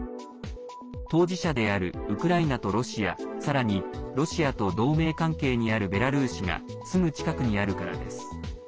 当事者であるウクライナとロシアさらにロシアと同盟関係にあるベラルーシがすぐ近くにあるからです。